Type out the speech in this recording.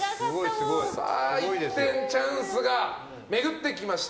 一転チャンスが巡ってきました。